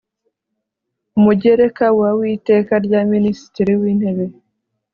umugereka wa witeka rya minisitiri wintebe